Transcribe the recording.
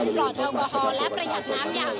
ลอดแอลกอฮอลและประหยัดน้ำอย่าง